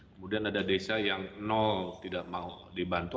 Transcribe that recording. kemudian ada desa yang nol tidak mau dibantu